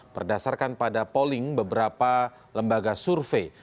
berdasarkan pada polling beberapa lembaga survei